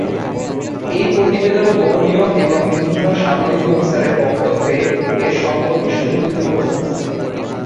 এই প্রতিবেদন গোপনীয় এবং বিভিন্ন সামরিক অফিসারের বক্তব্যে এর সম্পর্কে শুধুই অনুমিত।